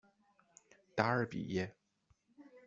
达尔比耶。